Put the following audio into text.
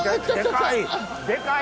でかい！